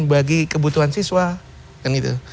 bagi kebutuhan siswa kan gitu